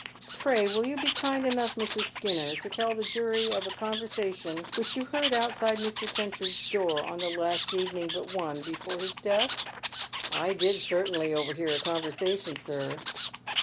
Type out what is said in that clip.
— Pray will you be kind enough, Mrs. Skinner, to tell the jury of a conversation which you heard outside Mr. Trenchard's door on the last evenuig but one before his death ?"" I did certainly overhear a conversation, sir."